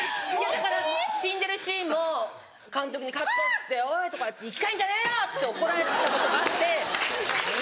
だから死んでるシーンも監督に「カット」っつって「おい生き返んじゃねえよ！」って怒られたこととかあって。